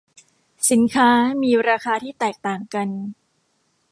สินค้ามีราคาที่แตกต่างกัน